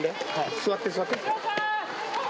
座って、座って。